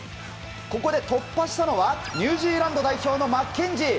ここで突破したのはニュージーランド代表のマッケンジー。